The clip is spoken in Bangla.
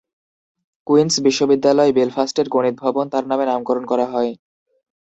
কুইন্স বিশ্ববিদ্যালয় বেলফাস্টের গণিত ভবন তার নামে নামকরণ করা হয়।